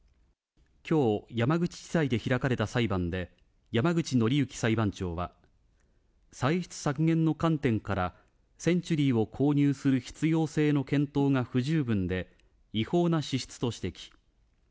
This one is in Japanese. きょう、山口地裁で開かれた裁判で、山口のりゆき裁判長は、歳出削減の観点から、センチュリーを購入する必要性の検討が不十分で、違法な支出と指摘。